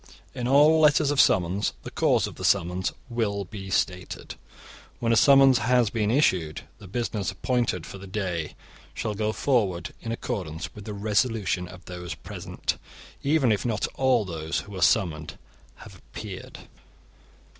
In all letters of summons, the cause of the summons will be stated. When a summons has been issued, the business appointed for the day shall go forward in accordance with the resolution of those present, even if not all those who were summoned have appeared.